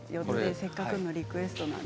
せっかくのリクエストなので。